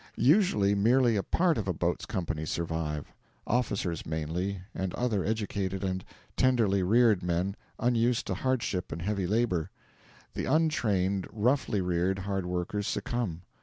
Usually merely a part of a boat's company survive officers, mainly, and other educated and tenderly reared men, unused to hardship and heavy labour; the untrained, roughly reared hard workers succumb.